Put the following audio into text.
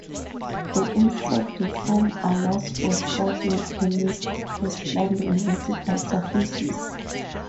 The insect form allows for such mechanics as climbing vertical surfaces.